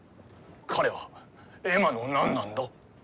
彼はエマの何なんだ？